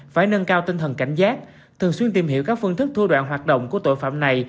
phải nâng cao tinh thần cảnh giác thường xuyên tìm hiểu các phương thức thua đoạn hoạt động của tội phạm này